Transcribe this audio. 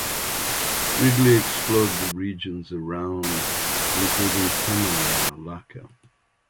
Ridley explored the regions around including Penang and Malacca.